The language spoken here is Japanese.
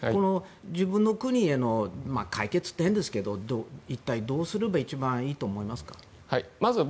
自分の国への解決って変ですけど一体、どうするのが一番いいと思いますか？